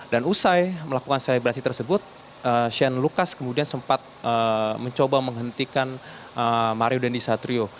usai melakukan selebrasi tersebut shane lucas kemudian sempat mencoba menghentikan mario dandisatrio